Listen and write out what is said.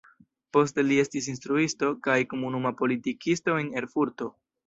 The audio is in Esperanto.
Poste li estis instruisto kaj komunuma politikisto en Erfurto.